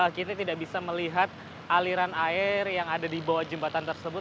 kita tidak bisa melihat aliran air yang ada di bawah jembatan tersebut